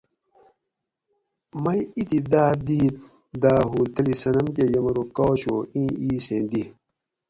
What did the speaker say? مئ ایتھی داۤر دِیت داۤ ھول تلی صنم کہ یمرو کاچ ھو ایں ایسیں دی